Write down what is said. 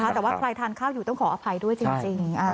แต่ว่าใครทานข้าวอยู่ต้องขออภัยด้วยจริง